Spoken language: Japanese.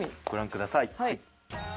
ご覧ください。